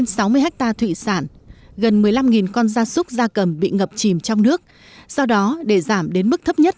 sau đó thì chị tru cấp núa gạo cho cụ sinh hoạt